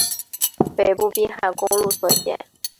北部滨海公路所见